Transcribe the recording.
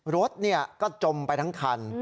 รถก็จมไปทั้งคัน